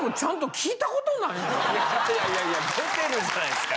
・いやいや出てるじゃないですか・